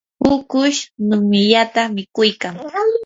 ukush numyata mikuykan.